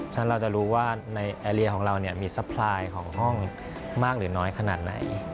ฉะเราจะรู้ว่าในแอร์เรียของเรามีซัพพลายของห้องมากหรือน้อยขนาดไหน